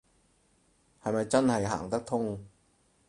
係咪真係行得通